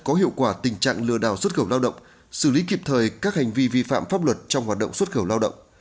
có hiệu quả tình trạng lừa đào xuất khẩu lao động xử lý kịp thời các hành vi vi phạm pháp luật trong hoạt động xuất khẩu lao động